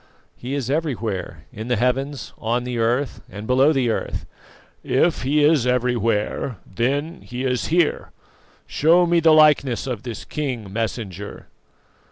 "He is everywhere in the heavens, on the earth, and below the earth." "If He is everywhere, then He is here. Show me the likeness of this King, Messenger."